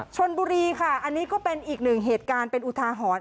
ชนบุรีค่ะอันนี้ก็เป็นอีกหนึ่งเหตุการณ์เป็นอุทาหรณ์